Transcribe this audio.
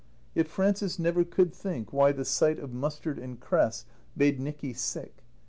Yet Frances never could think why the sight of mustard and cress made Nicky sick.